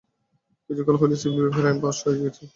কিছুকাল হইল সিভিল বিবাহের আইন পাস হইয়া গেছে।